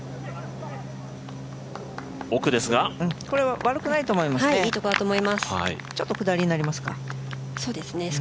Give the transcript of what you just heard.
これは悪くないと思いますね。